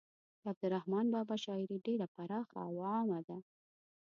د عبدالرحمان بابا شاعري ډیره پراخه او عامه ده.